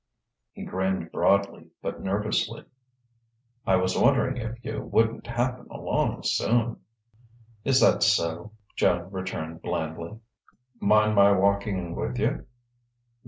He grinned broadly but nervously. "I was wondering if you wouldn't happen along soon...." "Is that so?" Joan returned blandly. "Mind my walking with you?"